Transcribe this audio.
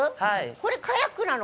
これカヤックなの？